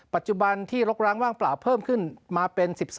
ปัจจุบันที่ลกล้างว่างเปล่าเพิ่มขึ้นมาเป็น๑๒